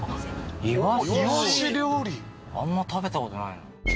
あんま食べたことないな。